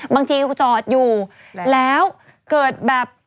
บางทีจอดอยู่แล้วเกิดแบบ